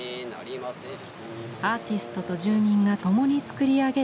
アーティストと住民が共につくり上げる芸術祭。